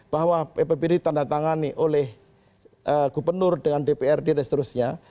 bahwa ppd ditandatangani oleh gubernur dengan dprd dan seterusnya